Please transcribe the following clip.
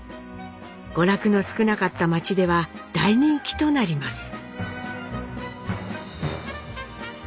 娯楽の少なかった町では大人気となります。